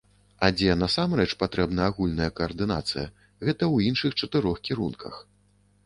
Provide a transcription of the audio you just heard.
А дзе насамрэч патрэбна агульная каардынацыя, гэта ў іншых чатырох кірунках.